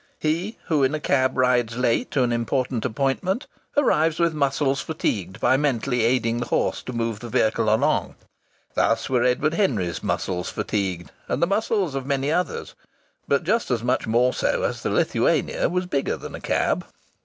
He who in a cab rides late to an important appointment, arrives with muscles fatigued by mentally aiding the horse to move the vehicle along. Thus were Edward Henry's muscles fatigued, and the muscles of many others; but just as much more so as the Lithuania was bigger than a cab.